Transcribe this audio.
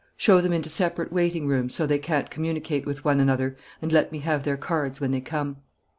Show them into separate waiting rooms, so that they can't communicate with one another, and let me have their cards when they come."